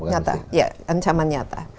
ya ancaman nyata